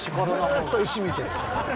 ずっと石見てる。